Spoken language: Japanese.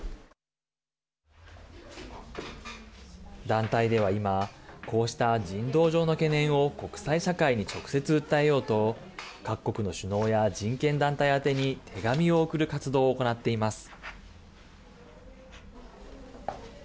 団体では今こうした人道上の懸念を国際社会に直接、訴えようと各国の首脳や人権団体宛てに手紙を送る活動を行っています。